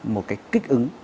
một cái kích ứng